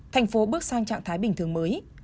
thành phố bước sang trạng thái bình thường mới